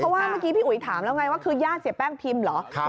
เพราะว่าเมื่อกี้พี่อุ๋ยถามแล้วไงว่าคือญาติเสียแป้งพิมพ์เหรอ